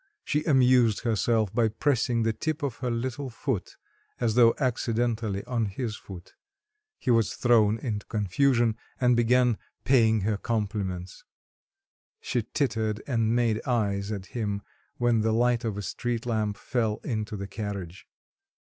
She amused herself by pressing the tip of her little foot as though accidentally on his foot; he was thrown into confusion and began paying her compliments. She tittered and made eyes at him when the light of a street lamp fell into the carriage.